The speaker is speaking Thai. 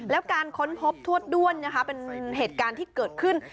แล้วการค้นพบทวดด้วนนะคะเป็นเหตุการณ์ที่เกิดขึ้น